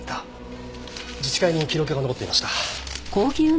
自治会に記録が残っていました。